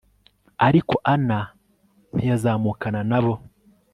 ariko ana ntiyazamukana na bo